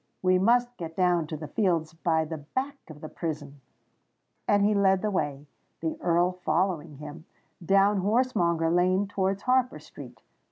We must get down to the Fields by the back of the prison." And he led the way, the Earl following him, down Horsemonger Lane towards Harper Street.